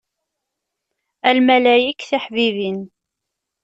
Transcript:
A lmalayek tiḥbibin.